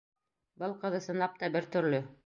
Был ҡыҙ, ысынлап та бер төрлө!